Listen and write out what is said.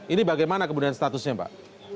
ini bagaimana kemudian statusnya pak